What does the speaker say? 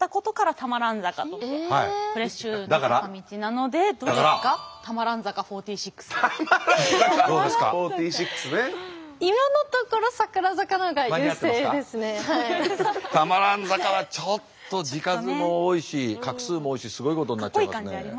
多摩蘭坂はちょっと字数も多いし画数も多いしすごいことになっちゃいますね。